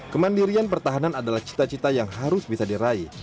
kemandirian pertahanan adalah cita cita yang harus bisa diraih